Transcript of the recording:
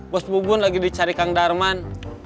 bos bubun lagi dicari kang darman